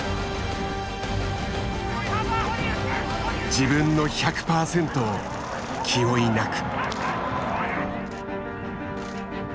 「自分の１００％」を気負いなく。